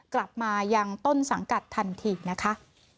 กลับมายังต้นสังกัดทันทีนะคะ